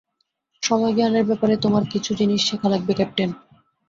সময়জ্ঞানের ব্যাপারে তোমার কিছু জিনিস শেখা লাগবে, ক্যাপ্টেন।